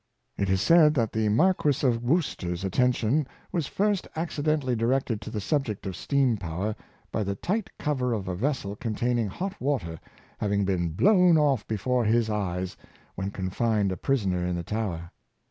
It is said that the Marquis of Worcester's attention w IS first accidently directed to the subject of steam Rude Scientific A pparatus, 251 power by the tight cover of a vessel containing hot water having been blown off before his eyes, when con fined a prisoner in the Tower.